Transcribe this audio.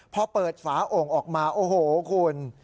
พอเปิดฝาโอ่งออกมาโอ้โหคุณ